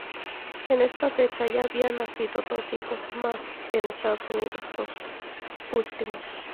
En esta fecha ya habían nacido dos hijos más, en Estados Unidos, los últimos.